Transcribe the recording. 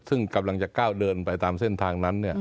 ซึ่งกำลังจะก้าวเดินไปตามเส้นทางนั้น